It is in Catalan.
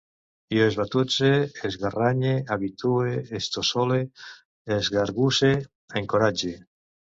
Jo esbutze, esgarranye, habitue, estossole, engargusse, encoratge